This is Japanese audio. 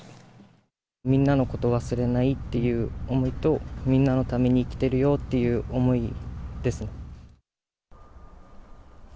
みんなのこと忘れないっていう思いと、みんなのために生きてるよっていう思いですね。